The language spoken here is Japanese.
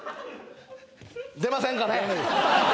出ませんかね？